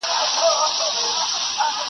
مار دي په لستوڼي کي آدم ته ور وستلی دی؛